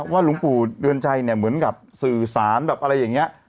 หลวงปู่เดือนชัยเนี่ยเหมือนกับสื่อสารแบบอะไรอย่างนี้